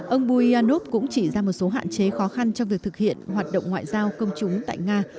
ông buyanov cũng chỉ ra một số hạn chế khó khăn trong việc thực hiện hoạt động ngoại giao công chúng tại nga